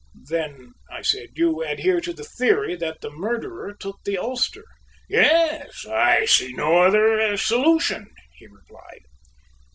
"Then," I said, "you adhere to the theory that the murderer took the ulster?" "Yes, I see no other solution," he replied.